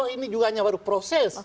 ini juga hanya baru proses